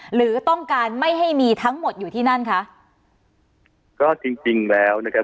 หรือต้องการไม่ให้มีทั้งหมดอยู่ที่นั่นคะก็จริงจริงแล้วนะครับ